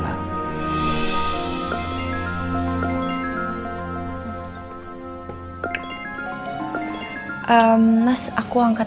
mas aku angkat telepon pak nino gak apa apa kan ya